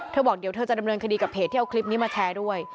บอกเดี๋ยวเธอจะดำเนินคดีกับเพจที่เอาคลิปนี้มาแชร์ด้วย